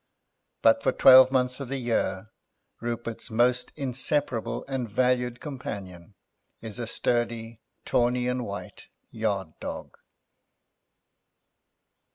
But for twelve months of the year Rupert's most inseparable and valued companion is a sturdy tawny and white yard dog.